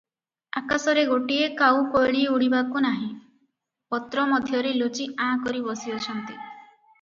ଆକାଶରେ ଗୋଟିଏ କାଉ କୋଇଲି ଉଡ଼ିବାକୁ ନାହିଁ, ପତ୍ର ମଧ୍ୟରେ ଲୁଚି ଆଁ କରି ବସିଅଛନ୍ତି ।